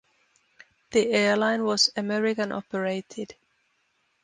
The airline was American-operated.